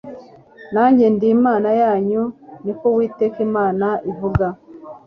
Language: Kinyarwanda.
najye ndi Imana yanyu, niko Uwiteka Imana ivuga."